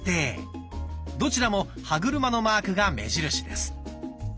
どちらも歯車のマークが目印です。